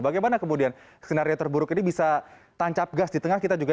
bagaimana kemudian skenario terburuk ini bisa tancap gas di tengah kita juga